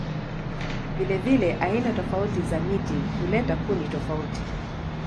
Vilevile aina tofauti za miti huleta kuni tofauti.